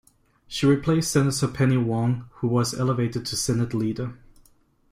She replaced Senator Penny Wong, who was elevated to Senate leader.